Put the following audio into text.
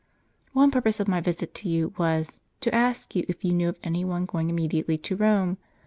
One purpose of my visit to you was, to ask you if you knew of any one going immediately to Rome.